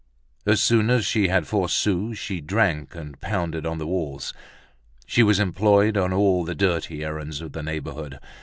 As soon as she had four sous she drank and pounded on the walls. She was employed on all the dirty errands of the neighborhood.